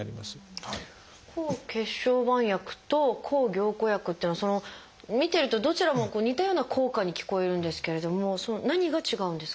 抗血小板薬と抗凝固薬っていうのは見てるとどちらも似たような効果に聞こえるんですけれども何が違うんですか？